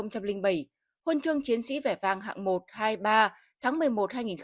huân chương chiến sĩ vẻ vàng hạng một hai ba tháng một mươi một hai nghìn một mươi năm